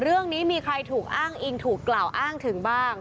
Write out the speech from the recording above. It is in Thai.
เรื่องนี้มีใครถูกอ้างอิงถูกกล่าวอ้างถึงบ้าง